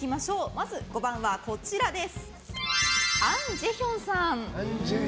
まず５番はアン・ジェヒョンさん。